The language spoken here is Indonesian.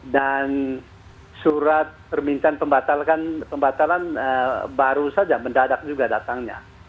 dan surat permintaan pembatalan baru saja mendadak juga datangnya